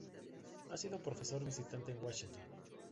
Ha sido profesor visitante en Washington.